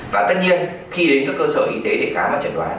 và tất nhiên khi đến các cơ sở y tế để khám và chẩn đoán